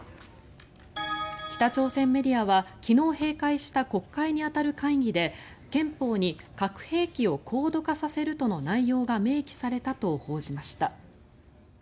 北朝鮮メディアは昨日閉会した国会に当たる会議で憲法に核兵器を高度化させるとの内容が明記されたと報じました。